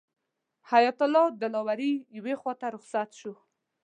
حیات الله داوري یوې خواته رخصت شو.